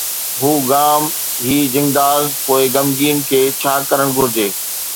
هو غام هي جنگداز، پوءِ غمگين کي ڇا ڪرڻ گهرجي؟